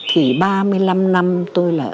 thì ba mươi năm năm tôi là